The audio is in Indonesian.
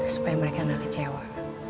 supaya mereka gak kecewa